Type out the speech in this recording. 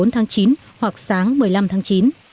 một mươi bốn tháng chín hoặc sáng một mươi năm tháng chín